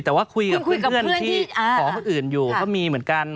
แต่ว่าคุยกับเพื่อนที่ขอคนอื่นอยู่ก็มีเหมือนกัน